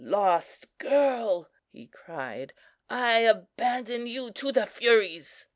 "Lost girl," he cried, "I abandon you to the Furies!"